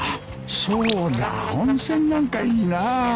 そうだ温泉なんかいいな